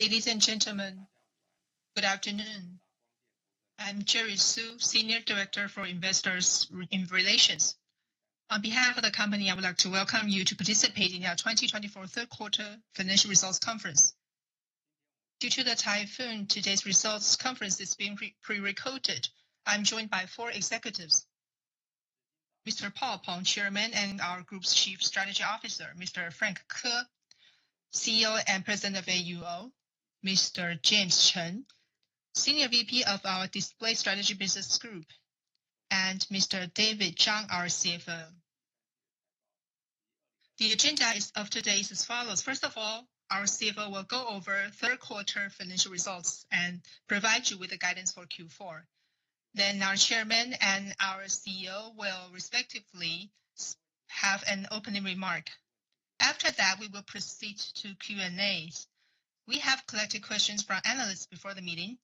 Ladies and gentlemen, good afternoon. I'm Jerry Su, Senior Director for Investor Relations. On behalf of the company, I would like to welcome you to participate in our 2024 Third Quarter Financial Results Conference. Due to the typhoon, today's results conference is being pre-recorded. I'm joined by four executives: Mr. Paul Peng, Chairman and our Group's Chief Strategy Officer; Mr. Frank Ko, CEO and President of AUO; Mr. James Chen, Senior VP of our Display Strategy Business Group; and Mr. David Chang, our CFO. The agenda of today is as follows. First of all, our CFO will go over Third Quarter Financial Results and provide you with the guidance for Q4. Then our Chairman and our CEO will respectively have an opening remark. After that, we will proceed to Q&A. We have collected questions from analysts before the meeting,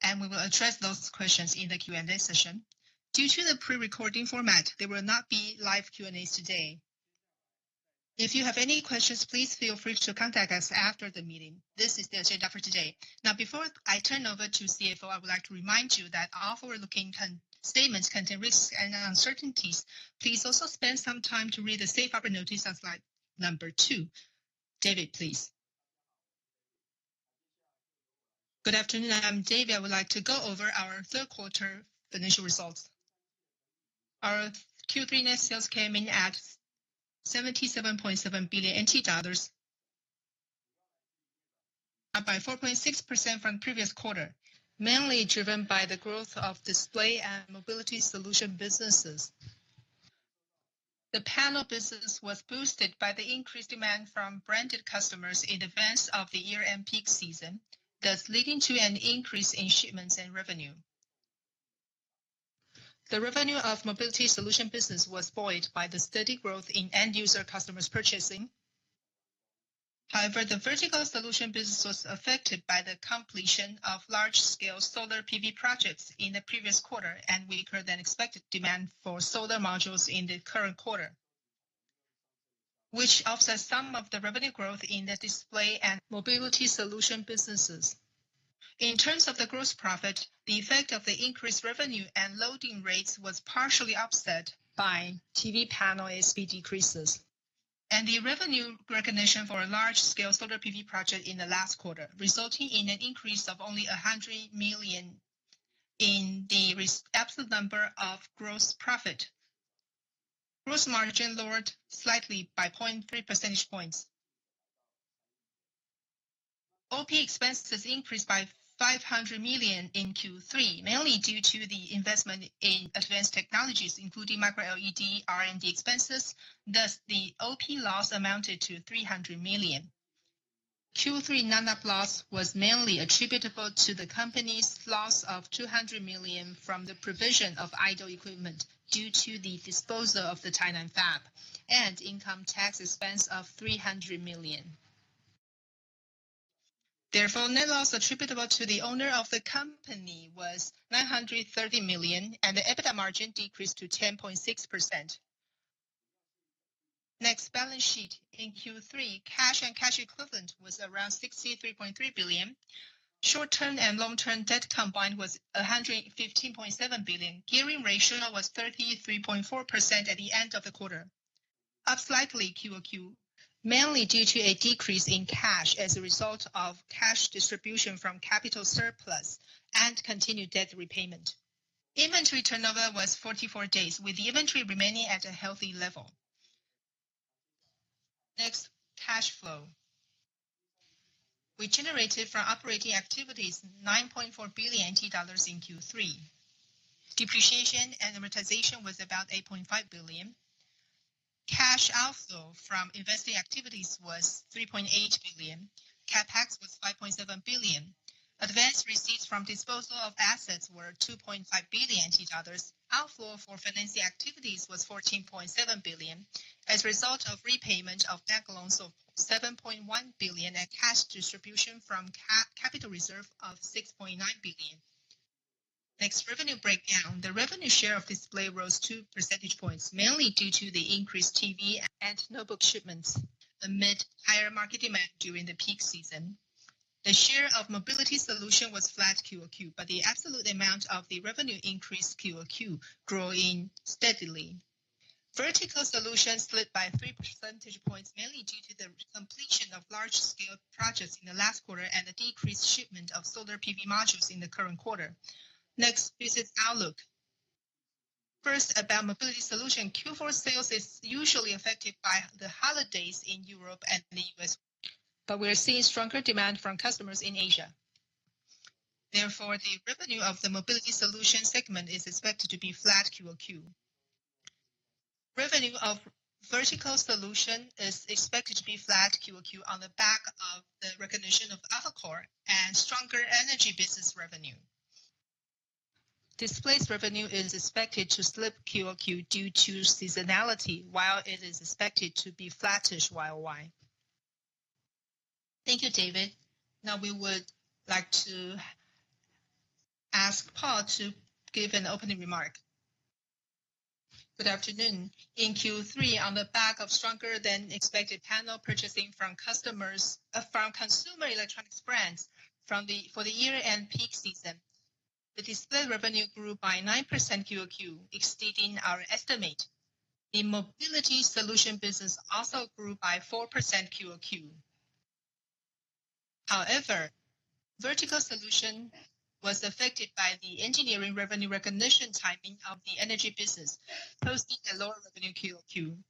and we will address those questions in the Q&A session. Due to the pre-recording format, there will not be live Q&As today. If you have any questions, please feel free to contact us after the meeting. This is the agenda for today. Now, before I turn over to CFO, I would like to remind you that all forward-looking statements contain risks and uncertainties. Please also spend some time to read the safe operating notice on slide number two. David, please. Good afternoon. I'm David. I would like to go over our Third Quarter Financial Results. Our Q3 net sales ca me in at 77.7 billion NT dollars and by 4.6% from the previous quarter, mainly driven by the growth of display and mobility solution businesses. The panel business was boosted by the increased demand from branded customers in advance of the year-end peak season, thus leading to an increase in shipments and revenue. The revenue of mobility solution business was buoyed by the steady growth in end-user customers' purchasing. However, the vertical solution business was affected by the completion of large-scale solar PV projects in the previous quarter, and we incurred an expected demand for solar modules in the current quarter, which offsets some of the revenue growth in the display and mobility solution businesses. In terms of the gross profit, the effect of the increased revenue and loading rates was partially offset by TV panel ASP decreases, and the revenue recognition for a large-scale solar PV project in the last quarter resulted in an increase of only 100 million in the absolute number of gross profit. Gross margin lowered slightly by 0.3 percentage points. OP expenses increased by 500 million in Q3, mainly due to the investment in advanced technologies, including micro-LED R&D expenses. Thus, the OP loss amounted to 300 million. Q3 non-op loss was mainly attributable to the company's loss of 200 million from the provision of idle equipment due to the disposal of the Tainan Fab and income tax expense of 300 million. Therefore, net loss attributable to the owner of the company was 930 million, and the EBITDA margin decreased to 10.6%. Next, balance sheet in Q3, cash and cash equivalent was around 63.3 billion. Short-term and long-term debt combined was 115.7 billion. Gearing ratio was 33.4% at the end of the quarter, up slightly QoQ, mainly due to a decrease in cash as a result of cash distribution from capital surplus and continued debt repayment. Inventory turnover was 44 days, with the inventory remaining at a healthy level. Next, cash flow. We generated from operating activities 9.4 billion dollars in Q3. Depreciation and amortization was about 8.5 billion. Cash outflow from investing activities was 3.8 billion. CapEx was 5.7 billion. Advance receipts from disposal of assets were 2.5 billion dollars. Outflow for financing activities was 14.7 billion as a result of repayment of bank loans of 7.1 billion and cash distribution from capital reserve of 6.9 billion. Next, revenue breakdown. The revenue share of display rose two percentage points, mainly due to the increased TV and notebook shipments amid higher market demand during the peak season. The share of mobility solution was flat QoQ, but the absolute amount of the revenue increased QoQ, growing steadily. Vertical solution slipped by three percentage points, mainly due to the completion of large-scale projects in the last quarter and the decreased shipment of solar PV modules in the current quarter. Next, business outlook. First, about mobility solution. Q4 sales is usually affected by the holidays in Europe and the U.S., but we are seeing stronger demand from customers in Asia. Therefore, the revenue of the mobility solution segment is expected to be flat QoQ. Revenue of vertical solution is expected to be flat QoQ on the back of the recognition of AUO and stronger energy business revenue. Display revenue is expected to slip QoQ due to seasonality, while it is expected to be flattish YoY. Thank you, David. Now, we would like to ask Paul to give an opening remark. Good afternoon. In Q3, on the back of stronger-than-expected panel purchasing from consumer electronics brands for the year-end peak season, the display revenue grew by 9% QoQ, exceeding our estimate. The mobility solution business also grew by 4% QoQ. However, vertical solution was affected by the engineering revenue recognition timing of the energy business, posing a lower revenue QoQ.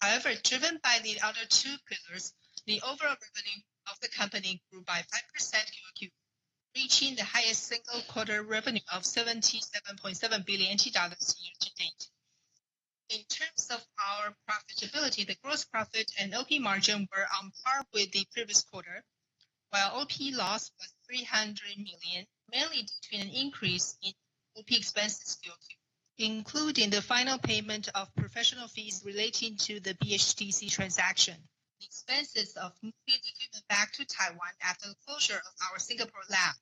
However, driven by the other two pillars, the overall revenue of the company grew by 5% QoQ, reaching the highest single-quarter revenue of NT$77.7 billion year-to-date. In terms of our profitability, the gross profit and OP margin were on par with the previous quarter, while OP loss was 300 million, mainly due to an increase in OP expenses QoQ, including the final payment of professional fees relating to the BHTC transaction, the expenses of moving equipment back to Taiwan after the closure of our Singapore lab,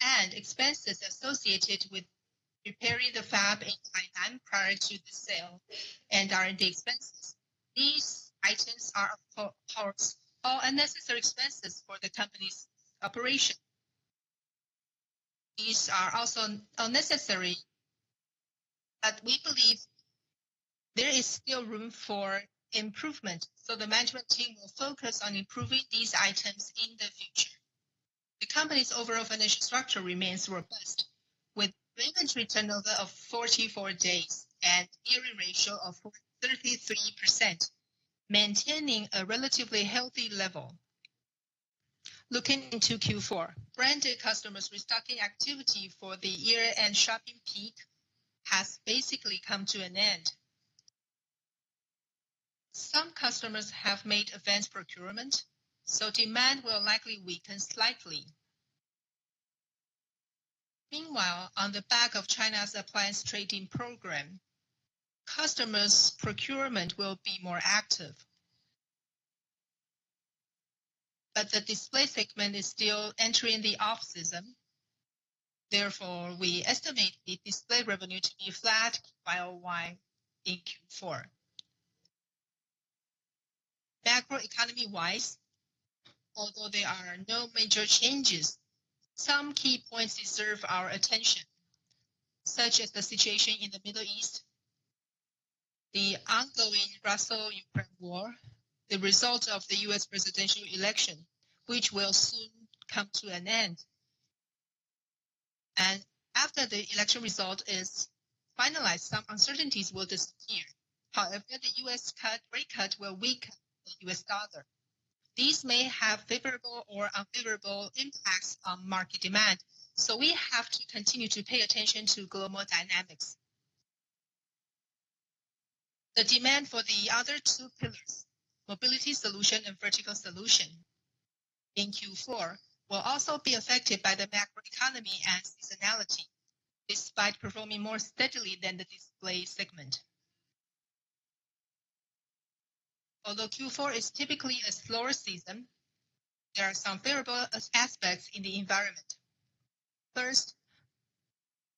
and expenses associated with repairing the fab in Tainan prior to the sale and R&D expenses. These items are all unnecessary expenses for the company's operation. These are also unnecessary, but we believe there is still room for improvement, so the management team will focus on improving these items in the future. The company's overall financial structure remains robust, with revenue turnover of 44 days and gearing ratio of 33%, maintaining a relatively healthy level. Looking into Q4, branded customers' restocking activity for the year-end shopping peak has basically come to an end. Some customers have made advanced procurement, so demand will likely weaken slightly. Meanwhile, on the back of China's appliance trading program, customers' procurement will be more active, but the display segment is still entering the off-season. Therefore, we estimate the display revenue to be flat YoY in Q4. Macro economy-wise, although there are no major changes, some key points deserve our attention, such as the situation in the Middle East, the ongoing Russia-Ukraine war, the result of the U.S. presidential election, which will soon come to an end, and after the election result is finalized, some uncertainties will disappear. However, the U.S. rate cut will weaken the U.S. dollar. These may have favorable or unfavorable impacts on market demand, so we have to continue to pay attention to global dynamics. The demand for the other two pillars, mobility solution and vertical solution, in Q4 will also be affected by the macro economy and seasonality, despite performing more steadily than the display segment. Although Q4 is typically a slower season, there are some favorable aspects in the environment.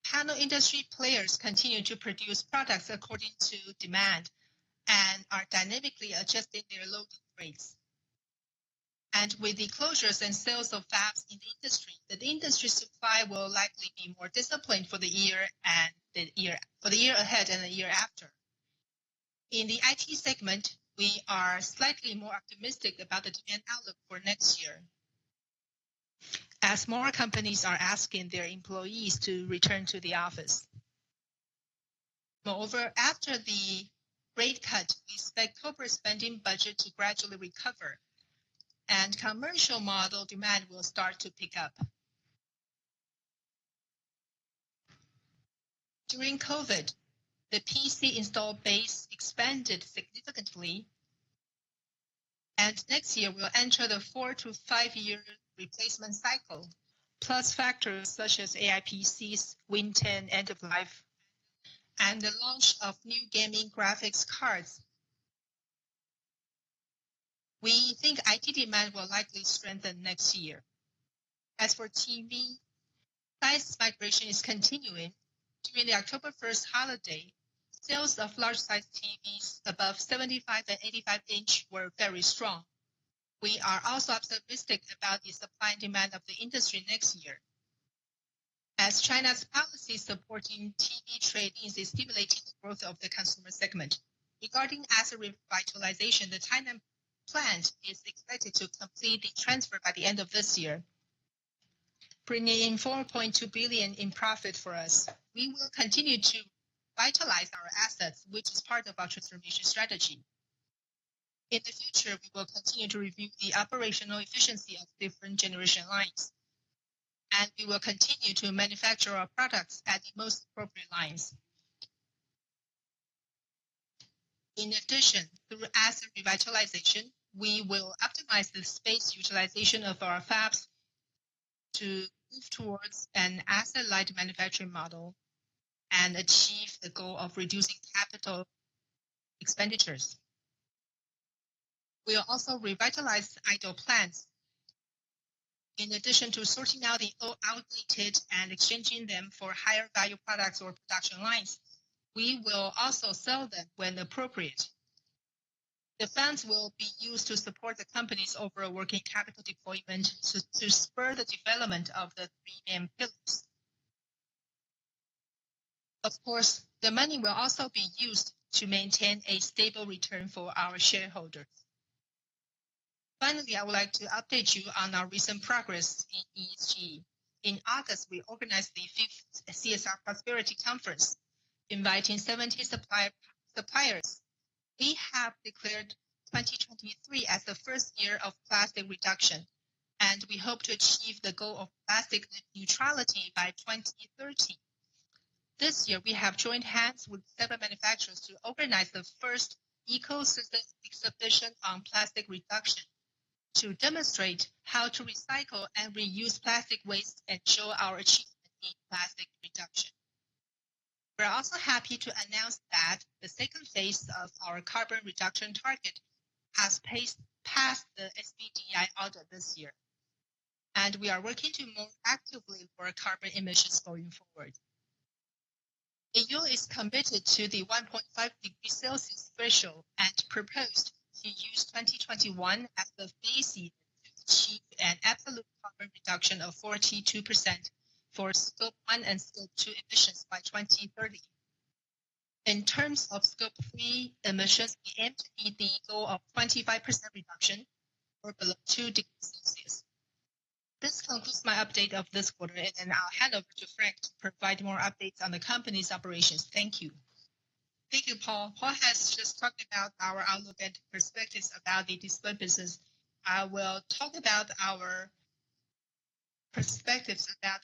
First, panel industry players continue to produce products according to demand and are dynamically adjusting their loading rates, and with the closures and sales of fabs in the industry, the industry supply will likely be more disciplined for the year ahead and the year after. In the IT segment, we are slightly more optimistic about the demand outlook for next year, as more companies are asking their employees to return to the office. Moreover, after the rate cut, we expect corporate spending budget to gradually recover, and commercial model demand will start to pick up. During COVID, the PC install base expanded significantly, and next year, we'll enter the four to five-year replacement cycle, plus factors such as AI PCs, Windows 10, end-of-life, and the launch of new gaming graphics cards. We think IT demand will likely strengthen next year. As for TV, size migration is continuing. During the October 1st holiday, sales of large-size TVs above 75 and 85 inches were very strong. We are also optimistic about the supply and demand of the industry next year, as China's policy supporting TV trade is stimulating the growth of the consumer segment. Regarding asset revitalization, the Tainan plant is expected to complete the transfer by the end of this year, bringing in 4.2 billion in profit for us. We will continue to revitalize our assets, which is part of our transformation strategy. In the future, we will continue to review the operational efficiency of different generation lines, and we will continue to manufacture our products at the most appropriate lines. In addition, through asset revitalization, we will optimize the space utilization of our fabs to move towards an asset-light manufacturing model and achieve the goal of reducing capital expenditures. We will also revitalize idle plants. In addition to sorting out the old outdated and exchanging them for higher-value products or production lines, we will also sell them when appropriate. The funds will be used to support the company's overall working capital deployment to spur the development of the three main pillars. Of course, the money will also be used to maintain a stable return for our shareholders. Finally, I would like to update you on our recent progress in ESG. In August, we organized the fifth CSR Prosperity Conference, inviting 70 suppliers. We have declared 2023 as the first year of plastic reduction, and we hope to achieve the goal of plastic neutrality by 2030. This year, we have joined hands with several manufacturers to organize the first ecosystem exhibition on plastic reduction to demonstrate how to recycle and reuse plastic waste and show our achievement in plastic reduction. We're also happy to announce that the second phase of our carbon reduction target has passed the SBTi audit this year, and we are working to move actively for carbon emissions going forward. AUO is committed to the 1.5 degrees Celsius threshold and proposed to use 2021 as the base year to achieve an absolute carbon reduction of 42% for scope one and scope two emissions by 2030. In terms of scope three emissions, we aim to meet the goal of 25% reduction or below two degrees Celsius. This concludes my update of this quarter, and I'll hand over to Frank to provide more updates on the company's operations. Thank you. Thank you, Paul. Paul has just talked about our outlook and perspectives about the display business. I will talk about our perspectives about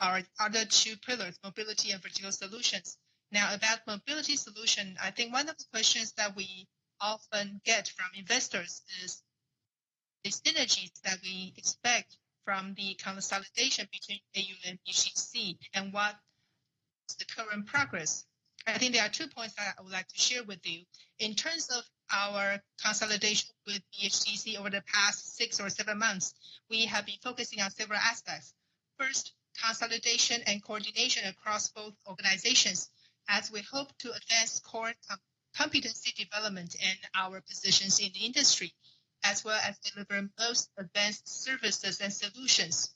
our other two pillars, mobility and vertical solutions. Now, about mobility solution, I think one of the questions that we often get from investors is the synergies that we expect from the consolidation between AUO and BHTC and what is the current progress. I think there are two points that I would like to share with you. In terms of our consolidation with BHTC over the past six or seven months, we have been focusing on several aspects. First, consolidation and coordination across both organizations, as we hope to advance core competency development in our positions in the industry, as well as deliver most advanced services and solutions.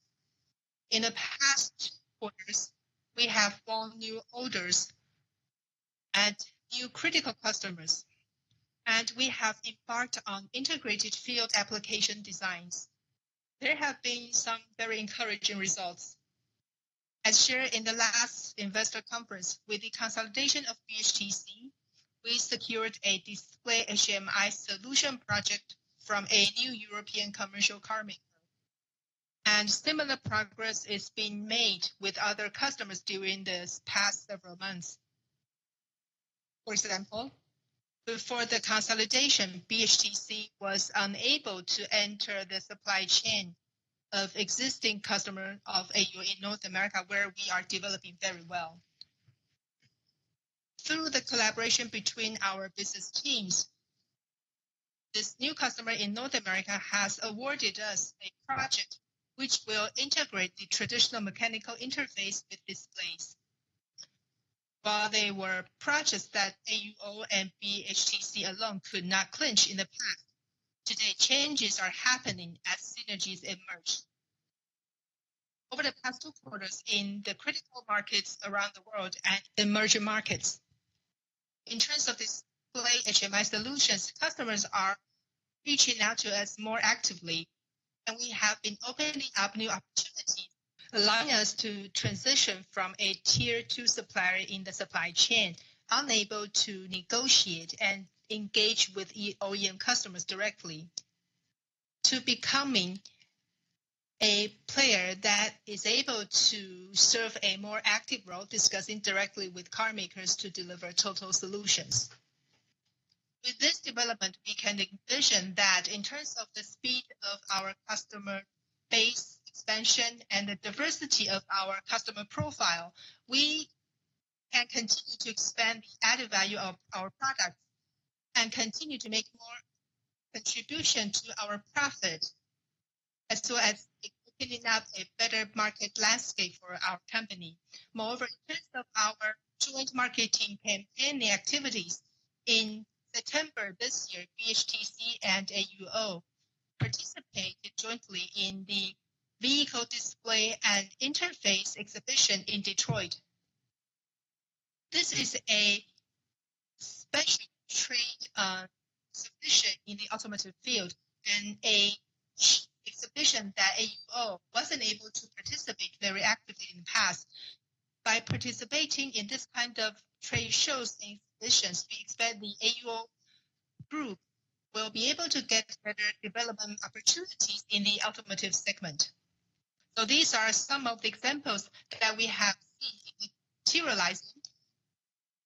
In the past quarters, we have formed new orders and new critical customers, and we have embarked on integrated field application designs. There have been some very encouraging results. As shared in the last investor conference, with the consolidation of BHTC, we secured a display HMI solution project from a new European commercial car maker, and similar progress is being made with other customers during the past several months. For example, before the consolidation, BHTC was unable to enter the supply chain of existing customers of AU in North America, where we are developing very well. Through the collaboration between our business teams, this new customer in North America has awarded us a project which will integrate the traditional mechanical interface with displays. While there were projects that AUO and BHTC alone could not clinch in the past, today changes are happening as synergies emerge. Over the past two quarters, in the critical markets around the world and emerging markets, in terms of display HMI solutions, customers are reaching out to us more actively, and we have been opening up new opportunities. Allowing us to transition from a tier two supplier in the supply chain, unable to negotiate and engage with AUO customers directly, to becoming a player that is able to serve a more active role discussing directly with car makers to deliver total solutions. With this development, we can envision that in terms of the speed of our customer base expansion and the diversity of our customer profile, we can continue to expand the added value of our products and continue to make more contribution to our profit as well as opening up a better market landscape for our company. Moreover, in terms of our joint marketing campaign activities, in September this year, BHTC and AUO participated jointly in the vehicle display and interface exhibition in Detroit. This is a special trade exhibition in the automotive field and an exhibition that AUO wasn't able to participate very actively in the past. By participating in this kind of trade shows and exhibitions, we expect the AUO group will be able to get better development opportunities in the automotive segment. So these are some of the examples that we have seen materializing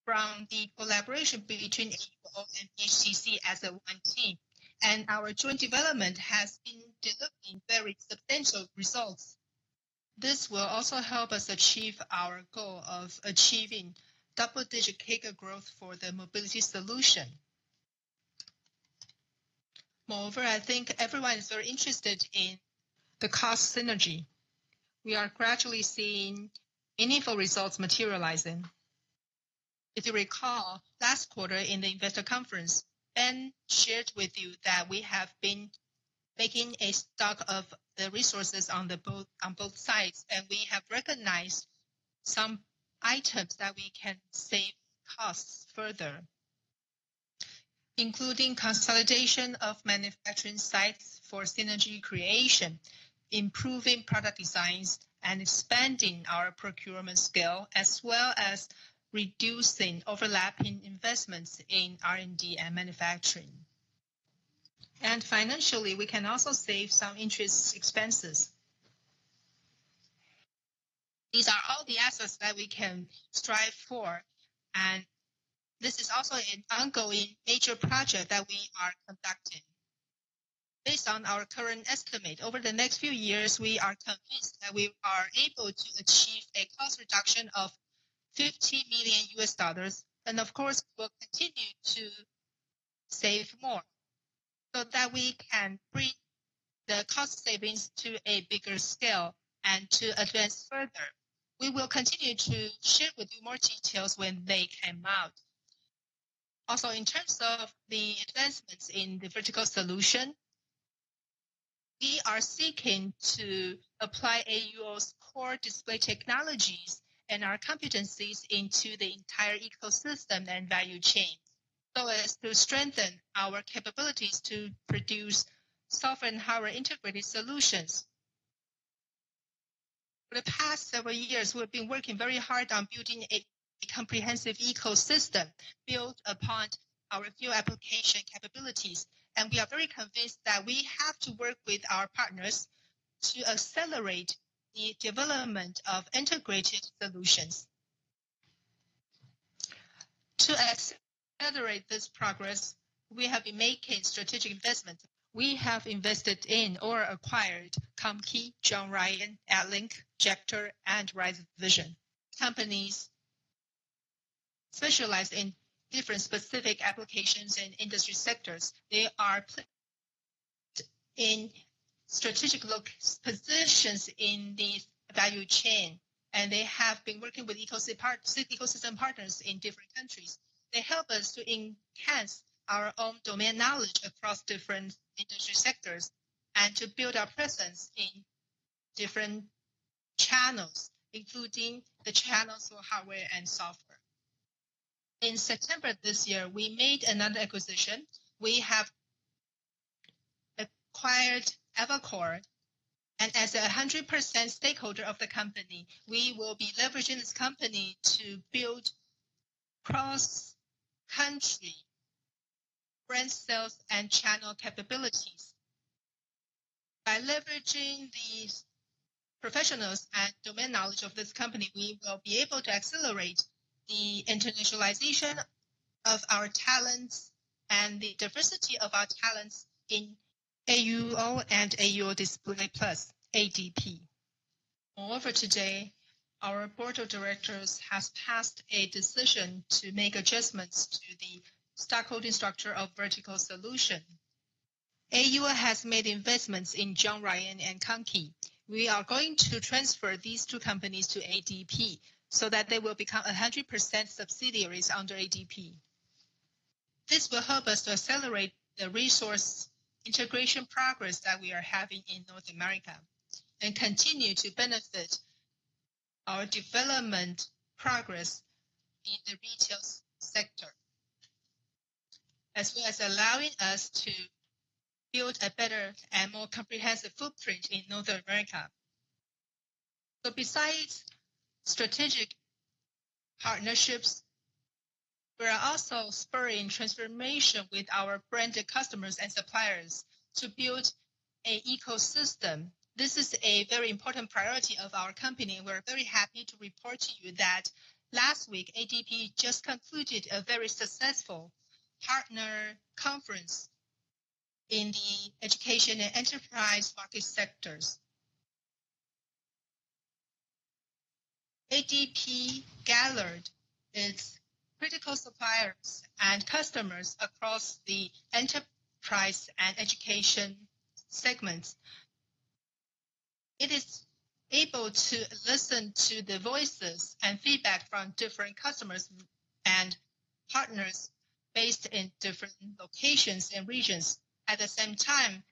from the collaboration between AUO and BHTC as a one team, and our joint development has been delivering very substantial results. This will also help us achieve our goal of achieving double-digit CAGR growth for the mobility solution. Moreover, I think everyone is very interested in the cost synergy. We are gradually seeing meaningful results materializing. If you recall, last quarter in the investor conference, Ben shared with you that we have been taking stock of the resources on both sides, and we have recognized some items that we can save costs further, including consolidation of manufacturing sites for synergy creation, improving product designs, and expanding our procurement scale, as well as reducing overlapping investments in R&D and manufacturing. And financially, we can also save some interest expenses. These are all the assets that we can strive for, and this is also an ongoing major project that we are conducting. Based on our current estimate, over the next few years, we are convinced that we are able to achieve a cost reduction of $50 million, and of course, we'll continue to save more so that we can bring the cost savings to a bigger scale and to advance further. We will continue to share with you more details when they come out. Also, in terms of the advancements in the vertical solution, we are seeking to apply AUO's core display technologies and our competencies into the entire ecosystem and value chain, so as to strengthen our capabilities to produce software and hardware integrated solutions. For the past several years, we've been working very hard on building a comprehensive ecosystem built upon our field application capabilities, and we are very convinced that we have to work with our partners to accelerate the development of integrated solutions. To accelerate this progress, we have been making strategic investments. We have invested in or acquired ComQi, JohnRyan, ADLINK Technology, Jector, and Rise Vision. Companies specialize in different specific applications and industry sectors. They are in strategic positions in the value chain, and they have been working with ecosystem partners in different countries. They help us to enhance our own domain knowledge across different industry sectors and to build our presence in different channels, including the channels for hardware and software. In September this year, we made another acquisition. We have acquired Avocor, and as a 100% stakeholder of the company, we will be leveraging this company to build cross-country brand sales and channel capabilities. By leveraging the professionals and domain knowledge of this company, we will be able to accelerate the internationalization of our talents and the diversity of our talents in AUO and AUO Display Plus ADP. Moreover, today, our board of directors has passed a decision to make adjustments to the stockholding structure of vertical solution. AUO has made investments in JohnRyan and ComQi. We are going to transfer these two companies to ADP so that they will become 100% subsidiaries under ADP. This will help us to accelerate the resource integration progress that we are having in North America and continue to benefit our development progress in the retail sector, as well as allowing us to build a better and more comprehensive footprint in North America. So besides strategic partnerships, we are also spurring transformation with our branded customers and suppliers to build an ecosystem. This is a very important priority of our company. We're very happy to report to you that last week, ADP just concluded a very successful partner conference in the education and enterprise market sectors. ADP gathered its critical suppliers and customers across the enterprise and education segments. It is able to listen to the voices and feedback from different customers and partners based in different locations and regions. At the same time,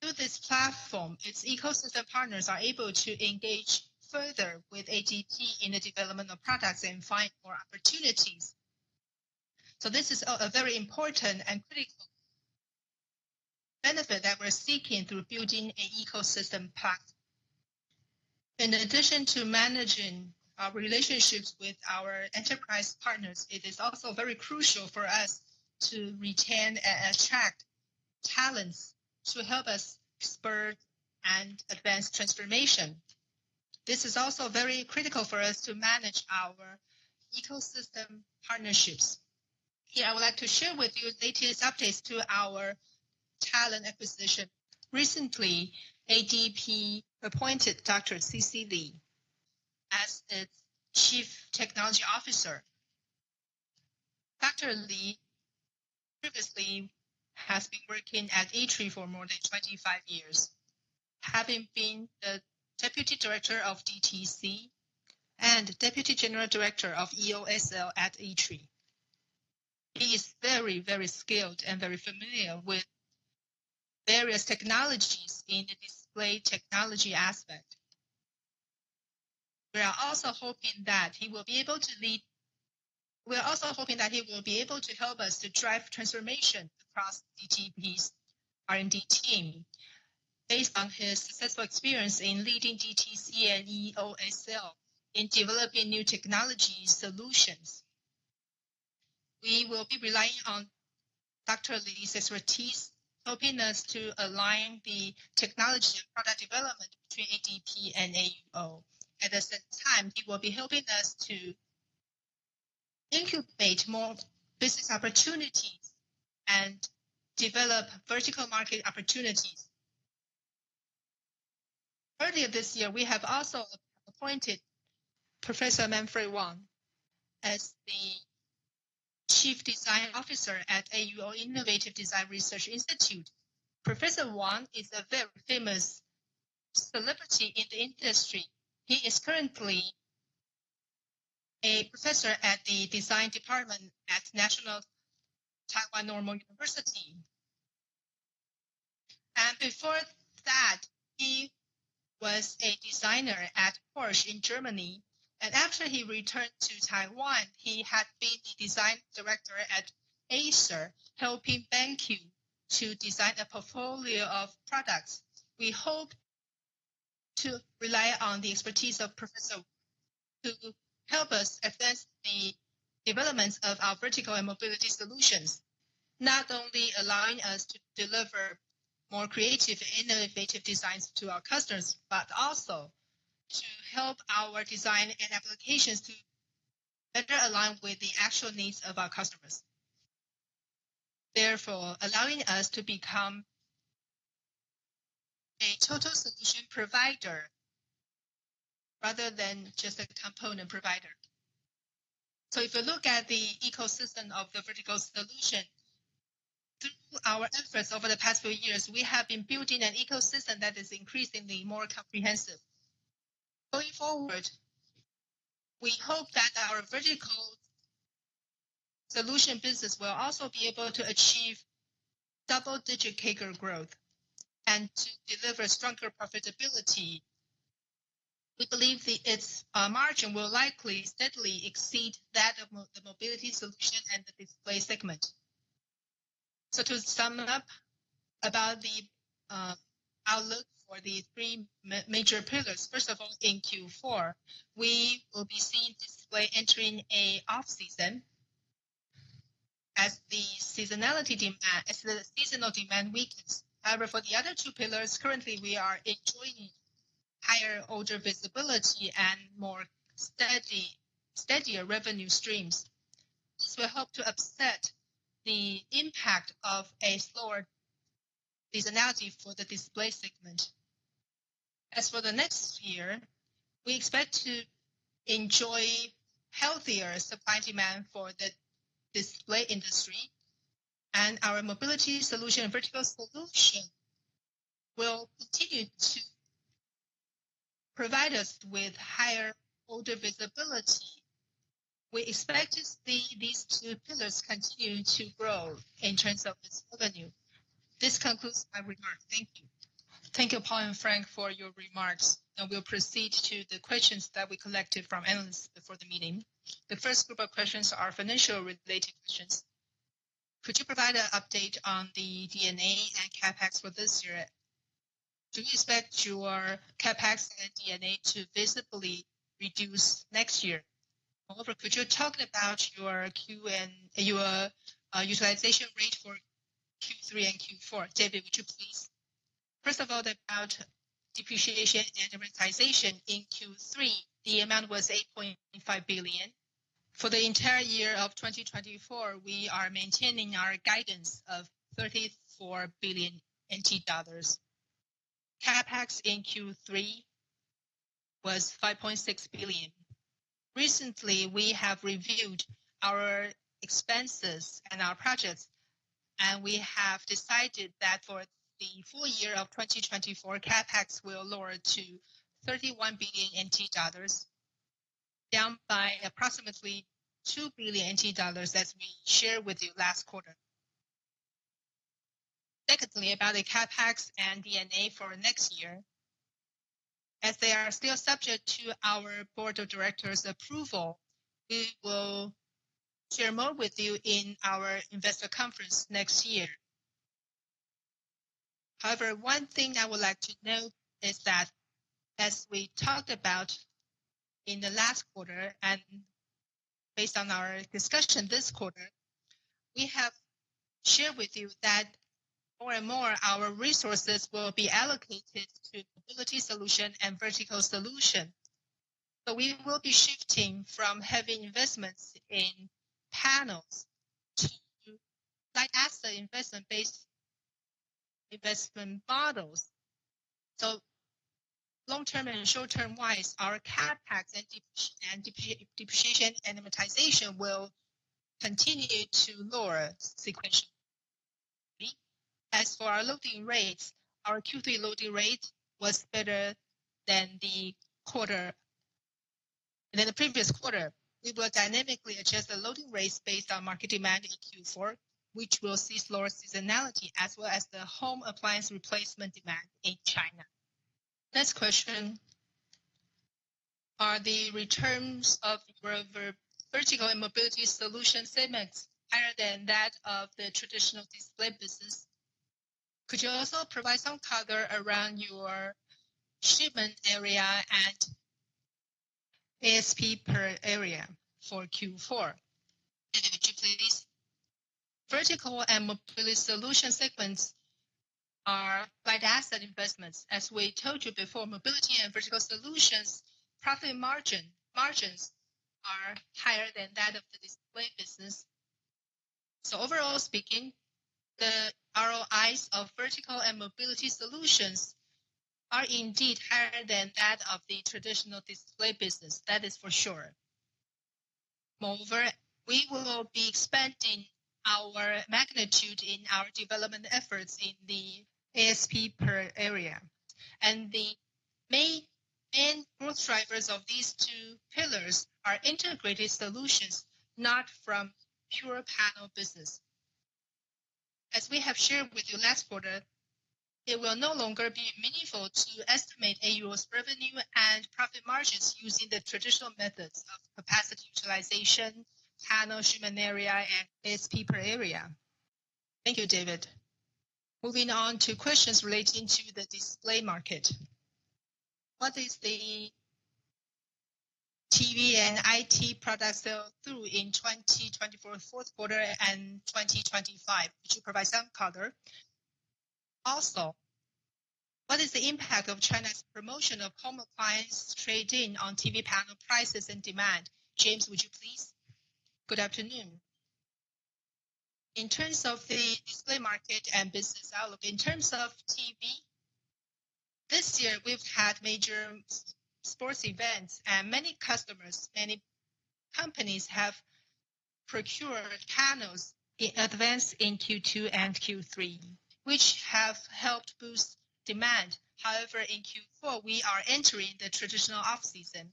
through this platform, its ecosystem partners are able to engage further with ADP in the development of products and find more opportunities. So this is a very important and critical benefit that we're seeking through building an ecosystem platform. In addition to managing our relationships with our enterprise partners, it is also very crucial for us to retain and attract talents to help us spur and advance transformation. This is also very critical for us to manage our ecosystem partnerships. Here, I would like to share with you the latest updates to our talent acquisition. Recently, ADP appointed Dr. C.C. Lee as its Chief Technology Officer. Dr. Lee previously has been working at ITRI for more than 25 years, having been the deputy director of DTC and deputy general director of EOSL at ITRI. He is very, very skilled and very familiar with various technologies in the display technology aspect. We are also hoping that he will be able to lead. We are also hoping that he will be able to help us to drive transformation across ADP's R&D team. Based on his successful experience in leading DTC and EOSL in developing new technology solutions, we will be relying on Dr. Lee's expertise to help us to align the technology and product development between ADP and AUO. At the same time, he will be helping us to incubate more business opportunities and develop vertical market opportunities. Earlier this year, we have also appointed Professor Manfred Wang as the Chief Design Officer at AUO Innovative Design Research Institute. Professor Wang is a very famous celebrity in the industry. He is currently a professor at the design department at National Taiwan Normal University. Before that, he was a designer at Porsche in Germany, and after he returned to Taiwan, he had been the design director at Acer, helping BenQ to design a portfolio of products. We hope to rely on the expertise of Professor Wang to help us advance the development of our vertical and mobility solutions, not only allowing us to deliver more creative and innovative designs to our customers, but also to help our design and applications to better align with the actual needs of our customers. Therefore, allowing us to become a total solution provider rather than just a component provider. So if you look at the ecosystem of the vertical solution, through our efforts over the past few years, we have been building an ecosystem that is increasingly more comprehensive. Going forward, we hope that our vertical solution business will also be able to achieve double-digit CAGR growth and to deliver stronger profitability. We believe its margin will likely steadily exceed that of the mobility solution and the display segment. So to sum up about the outlook for the three major pillars, first of all, in Q4, we will be seeing display entering an off-season as the seasonal demand weakens. However, for the other two pillars, currently, we are enjoying higher order visibility and steadier revenue streams. This will help to offset the impact of a slower seasonality for the display segment. As for the next year, we expect to enjoy healthier supply demand for the display industry, and our mobility solution and vertical solution will continue to provide us with higher order visibility. We expect to see these two pillars continue to grow in terms of its revenue. This concludes my remarks. Thank you. Thank you, Paul and Frank, for your remarks, and we'll proceed to the questions that we collected from analysts before the meeting. The first group of questions are financial-related questions. Could you provide an update on the D&A and CapEx for this year? Do you expect your CapEx and D&A to visibly reduce next year? Moreover, could you talk about your utilization rate for Q3 and Q4? David, would you please? First of all, about depreciation and amortization in Q3, the amount was 8.5 billion. For the entire year of 2024, we are maintaining our guidance of 34 billion NT dollars. CapEx in Q3 was 5.6 billion. Recently, we have reviewed our expenses and our projects, and we have decided that for the full year of 2024, CapEx will lower to 31 billion NT dollars, down by approximately 2 billion NT dollars as we shared with you last quarter. Secondly, about the CapEx and D&A for next year, as they are still subject to our board of directors' approval, we will share more with you in our investor conference next year. However, one thing I would like to note is that, as we talked about in the last quarter and based on our discussion this quarter, we have shared with you that more and more of our resources will be allocated to mobility solution and vertical solution. So we will be shifting from heavy investments in panels to light asset investment-based investment models. Long-term and short-term-wise, our CapEx and depreciation and amortization will continue to lower sequentially. As for our loading rates, our Q3 loading rate was better than the previous quarter. We will dynamically adjust the loading rates based on market demand in Q4, which will see lower seasonality as well as the home appliance replacement demand in China. Next question, are the returns of your vertical and mobility solution segments higher than that of the traditional display business? Could you also provide some color around your shipment area and ASP per area for Q4? David, would you please? Vertical and mobility solution segments are light asset investments. As we told you before, mobility and vertical solutions' profit margins are higher than that of the display business. Overall speaking, the ROIs of vertical and mobility solutions are indeed higher than that of the traditional display business. That is for sure. Moreover, we will be expanding our magnitude in our development efforts in the ASP per area. And the main growth drivers of these two pillars are integrated solutions, not from pure panel business. As we have shared with you last quarter, it will no longer be meaningful to estimate AUO's revenue and profit margins using the traditional methods of capacity utilization, panel, shipment area, and ASP per area. Thank you, David. Moving on to questions relating to the display market. What is the TV and IT product sell-through in 2024, fourth quarter, and 2025? Would you provide some color? Also, what is the impact of China's promotion of home appliance trade-in on TV panel prices and demand? James, would you please? Good afternoon. In terms of the display market and business outlook, in terms of TV, this year we've had major sports events, and many customers, many companies have procured panels in advance in Q2 and Q3, which have helped boost demand. However, in Q4, we are entering the traditional off-season.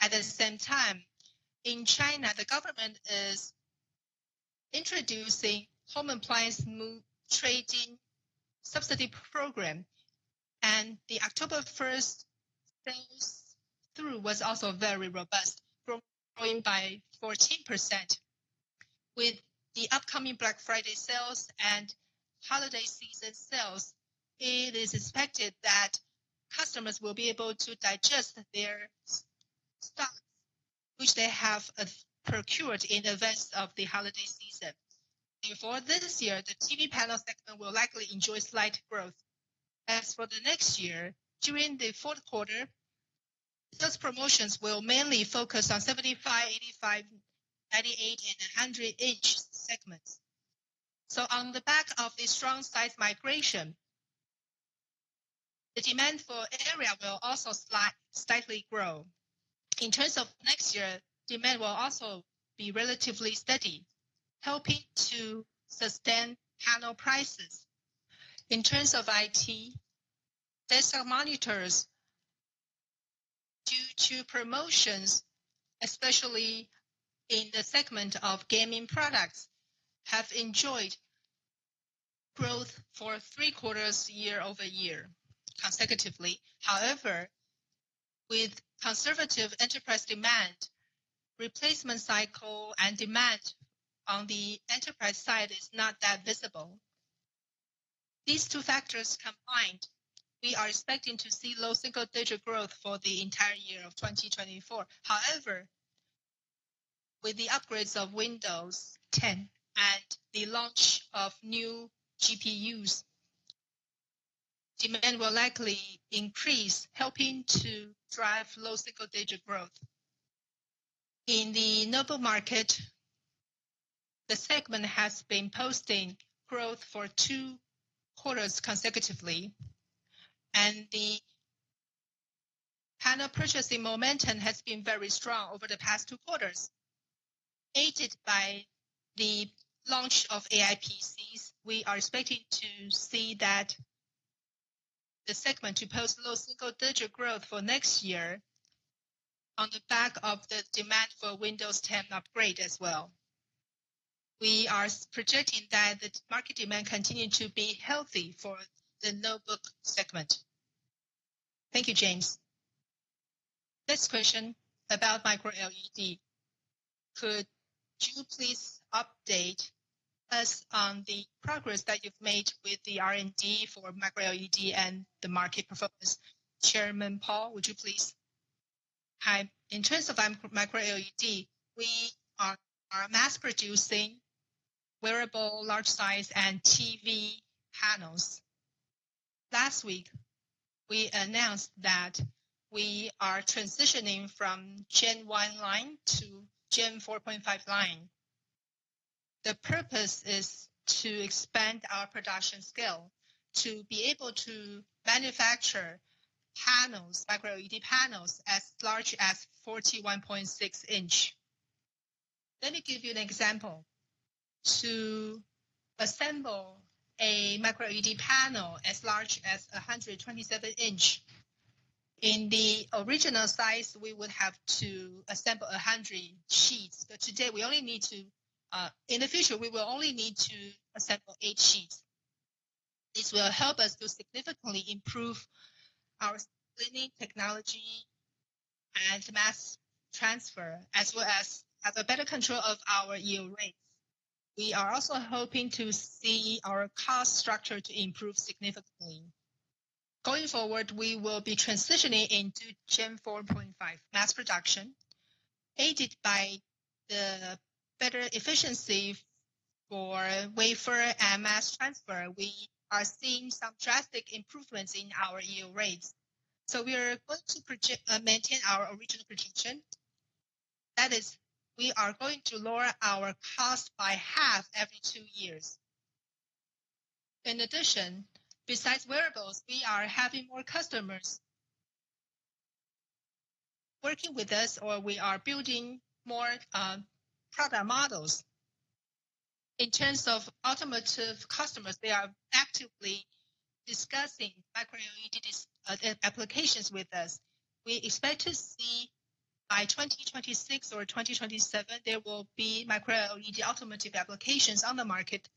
At the same time, in China, the government is introducing home appliance trade-in subsidy program, and the October 1st sell-through was also very robust, growing by 14%. With the upcoming Black Friday sales and holiday season sales, it is expected that customers will be able to digest their stocks, which they have procured in advance of the holiday season. Therefore, this year, the TV panel segment will likely enjoy slight growth. As for the next year, during the fourth quarter, sales promotions will mainly focus on 75, 85, 98, and 100-inch segments. So on the back of the strong size migration, the demand for area will also slightly grow. In terms of next year, demand will also be relatively steady, helping to sustain panel prices. In terms of IT, desktop monitors, due to promotions, especially in the segment of gaming products, have enjoyed growth for three quarters year over year consecutively. However, with conservative enterprise demand, replacement cycle and demand on the enterprise side is not that visible. These two factors combined, we are expecting to see low single-digit growth for the entire year of 2024. However, with the upgrades of Windows 10 and the launch of new GPUs, demand will likely increase, helping to drive low single-digit growth. In the notebook market, the segment has been posting growth for two quarters consecutively, and the panel purchasing momentum has been very strong over the past two quarters, aided by the launch of AI PCs. We are expecting to see that the segment to post low single-digit growth for next year on the back of the demand for Windows 10 upgrade as well. We are projecting that the market demand continues to be healthy for the notebook segment. Thank you, James. Next question about micro-LED. Could you please update us on the progress that you've made with the R&D for micro-LED and the market performance? Chairman Paul, would you please? In terms of micro-LED, we are mass-producing wearable large-size and TV panels. Last week, we announced that we are transitioning from Gen 1 line to Gen 4.5 line. The purpose is to expand our production scale to be able to manufacture Micro-LED panels as large as 41.6 inches. Let me give you an example. To assemble a Micro-LED panel as large as 127 inches, in the original size, we would have to assemble 100 sheets. But today, we only need to, in the future, we will only need to assemble eight sheets. This will help us to significantly improve our splitting technology and mass transfer, as well as have a better control of our yield rates. We are also hoping to see our cost structure to improve significantly. Going forward, we will be transitioning into Gen 4.5 mass production, aided by the better efficiency for wafer and mass transfer. We are seeing some drastic improvements in our yield rates. So we are going to maintain our original projection. That is, we are going to lower our cost by half every two years. In addition, besides wearables, we are having more customers working with us, or we are building more product models. In terms of automotive customers, they are actively discussing micro-LED applications with us. We expect to see by 2026 or 2027, there will be micro-LED automotive applications on the market.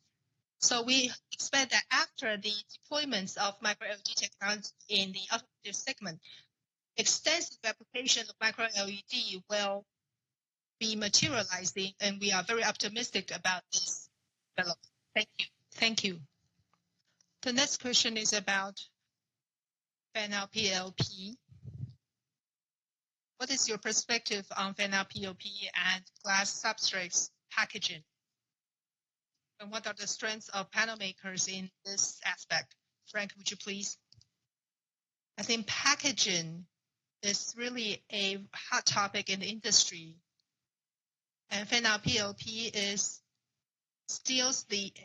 So we expect that after the deployments of micro-LED technology in the automotive segment, extensive applications of micro-LED will be materializing, and we are very optimistic about this development. Thank you. Thank you. The next question is about FOPLP. What is your perspective on FOPLP and glass substrates packaging? And what are the strengths of panel makers in this aspect? Frank, would you please? I think packaging is really a hot topic in the industry. FOPLP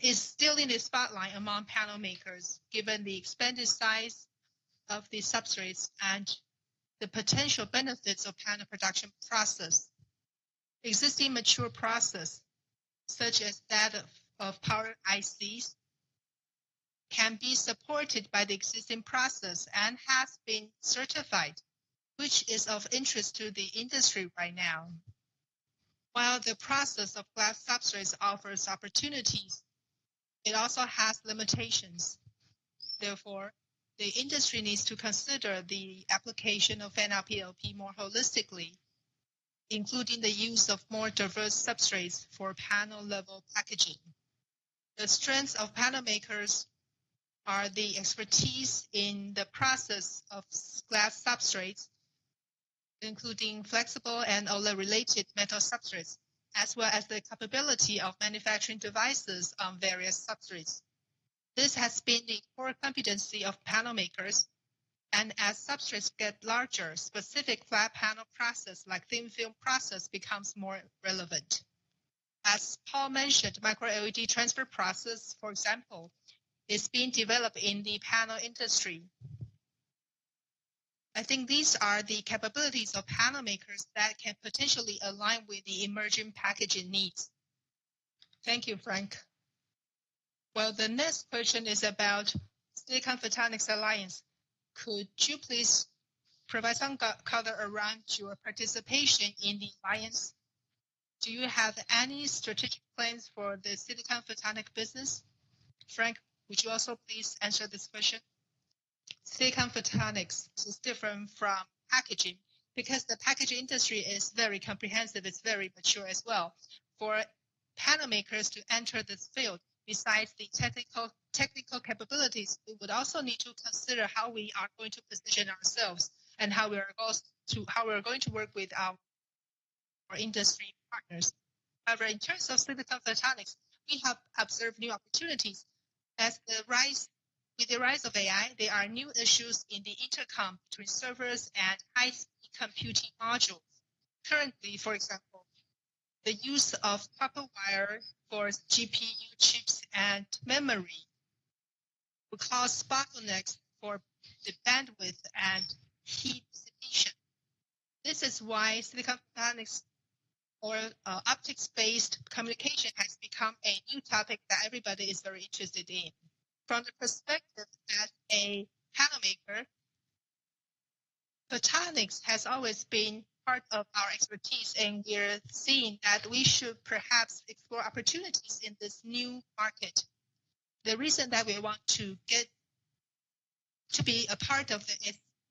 is still in the spotlight among panel makers, given the expanded size of the substrates and the potential benefits of panel production process. Existing mature process, such as that of Power ICs, can be supported by the existing process and has been certified, which is of interest to the industry right now. While the process of glass substrates offers opportunities, it also has limitations. Therefore, the industry needs to consider the application of FOPLP more holistically, including the use of more diverse substrates for panel-level packaging. The strengths of panel makers are the expertise in the process of glass substrates, including flexible and OLED-related metal substrates, as well as the capability of manufacturing devices on various substrates. This has been the core competency of panel makers, and as substrates get larger, specific flat panel process like thin film process becomes more relevant. As Paul mentioned, micro-LED transfer process, for example, is being developed in the panel industry. I think these are the capabilities of panel makers that can potentially align with the emerging packaging needs. Thank you, Frank. Well, the next question is about Silicon Photonics Alliance. Could you please provide some color around your participation in the alliance? Do you have any strategic plans for the Silicon Photonics business? Frank, would you also please answer this question? Silicon Photonics is different from packaging because the packaging industry is very comprehensive. It's very mature as well. For panel makers to enter this field, besides the technical capabilities, we would also need to consider how we are going to position ourselves and how we are going to work with our industry partners. However, in terms of Silicon Photonics, we have observed new opportunities. As with the rise of AI, there are new issues in the interconnect between servers and high-speed computing modules. Currently, for example, the use of copper wire for GPU chips and memory will cause bottlenecks in the bandwidth and heat dissipation. This is why Silicon Photonics or optics-based communication has become a new topic that everybody is very interested in. From the perspective as a panel maker, photonics has always been part of our expertise, and we're seeing that we should perhaps explore opportunities in this new market. The reason that we want to be a part of the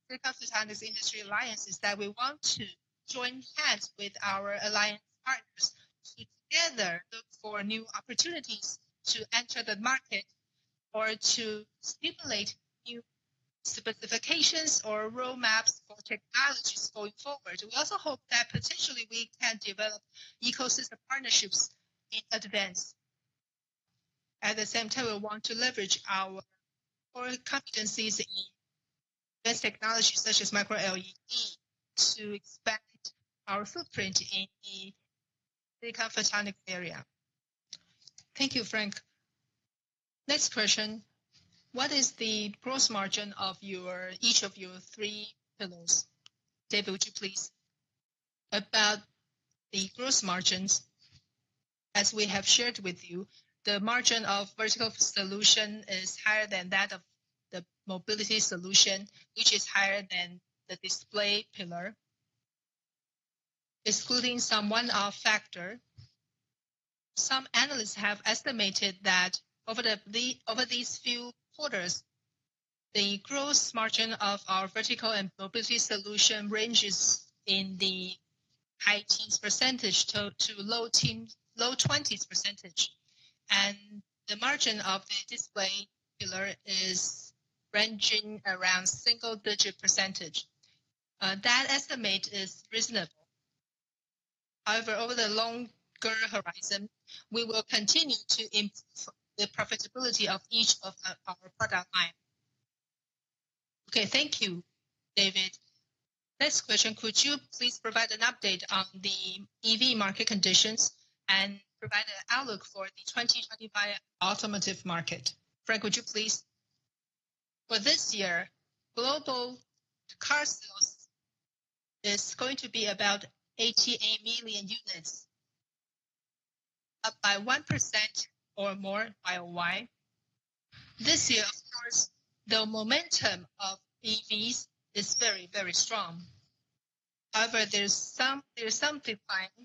Silicon Photonics Industry Alliance is that we want to join hands with our alliance partners to together look for new opportunities to enter the market or to stimulate new specifications or roadmaps for technologies going forward. We also hope that potentially we can develop ecosystem partnerships in advance. At the same time, we want to leverage our core competencies in advanced technologies such as micro-LED to expand our footprint in the Silicon Photonics area. Thank you, Frank. Next question. What is the gross margin of each of your three pillars? David, would you please? About the gross margins, as we have shared with you, the margin of vertical solution is higher than that of the mobility solution, which is higher than the display pillar. Excluding some one-off factor, some analysts have estimated that over these few quarters, the gross margin of our vertical and mobility solution ranges in the high teens% to low teens, low 20s%. And the margin of the display pillar is ranging around single-digit%. That estimate is reasonable. However, over the longer horizon, we will continue to improve the profitability of each of our product lines. Okay, thank you, David. Next question, could you please provide an update on the EV market conditions and provide an outlook for the 2025 automotive market? Frank, would you please? For this year, global car sales is going to be about 88 million units, up by 1% or more YoY. This year, of course, the momentum of EVs is very, very strong. However, there's some decline.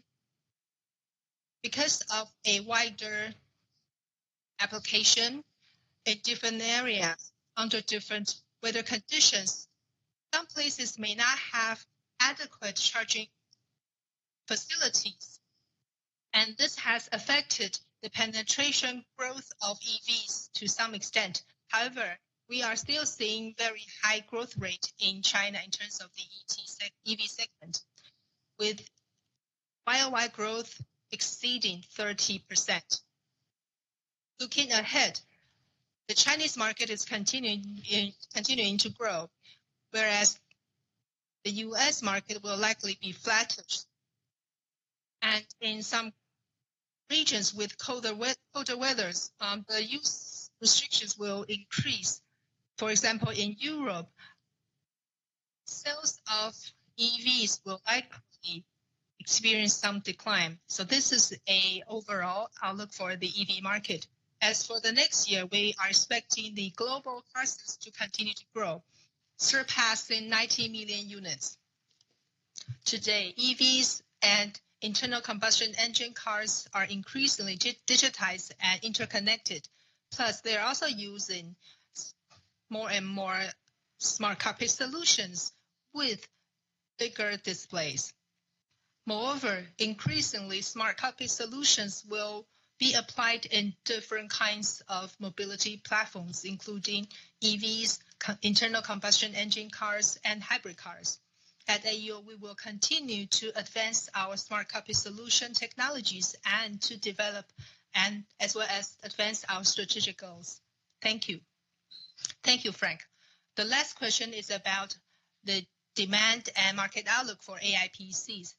Because of a wider application in different areas under different weather conditions, some places may not have adequate charging facilities. And this has affected the penetration growth of EVs to some extent. However, we are still seeing very high growth rates in China in terms of the EV segment, with YoY growth exceeding 30%. Looking ahead, the Chinese market is continuing to grow, whereas the US market will likely be flattish, and in some regions with colder weathers, the use restrictions will increase. For example, in Europe, sales of EVs will likely experience some decline. So this is an overall outlook for the EV market. As for the next year, we are expecting the global car sales to continue to grow, surpassing 90 million units. Today, EVs and internal combustion engine cars are increasingly digitized and interconnected. Plus, they're also using more and more smart cockpit solutions with bigger displays. Moreover, increasingly, smart cockpit solutions will be applied in different kinds of mobility platforms, including EVs, internal combustion engine cars, and hybrid cars. At AUO, we will continue to advance our smart cockpit solution technologies and to develop, as well as advance our strategic goals. Thank you. Thank you, Frank. The last question is about the demand and market outlook for AIPCs.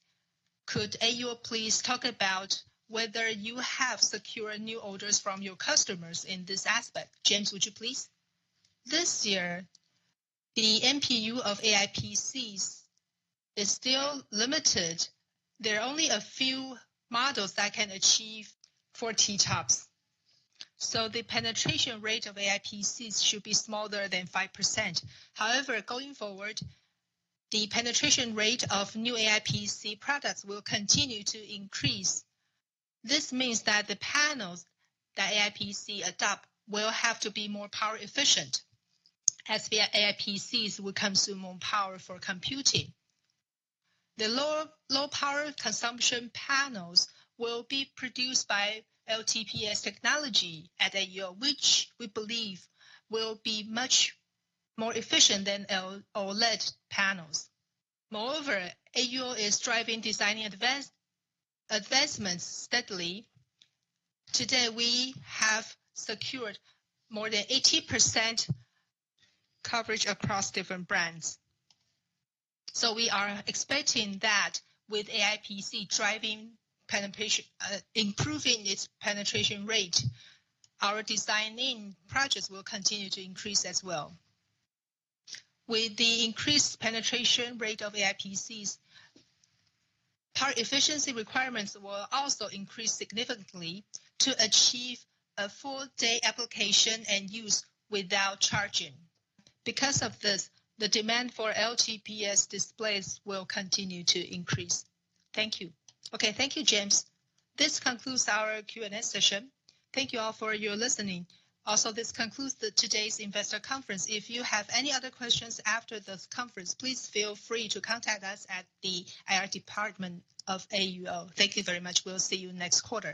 Could AUO please talk about whether you have secured new orders from your customers in this aspect? James, would you please? This year, the NPU of AIPCs is still limited. There are only a few models that can achieve 40 TOPS. So the penetration rate of AIPCs should be smaller than 5%. However, going forward, the penetration rate of new AIPC products will continue to increase. This means that the panels that AIPC adopt will have to be more power efficient, as the AIPCs will consume more power for computing. The low power consumption panels will be produced by LTPS technology at AUO, which we believe will be much more efficient than OLED panels. Moreover, AUO is driving design advancements steadily. Today, we have secured more than 80% coverage across different brands. So we are expecting that with AIPC driving improving its penetration rate, our design projects will continue to increase as well. With the increased penetration rate of AIPCs, power efficiency requirements will also increase significantly to achieve a full-day application and use without charging. Because of this, the demand for LTPS displays will continue to increase. Thank you. Okay, thank you, James. This concludes our Q&A session. Thank you all for your listening. Also, this concludes today's investor conference. If you have any other questions after this conference, please feel free to contact us at the IR Department of AUO. Thank you very much. We'll see you next quarter.